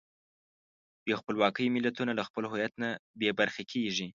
بې خپلواکۍ ملتونه له خپل هویت نه بېبرخې کېږي.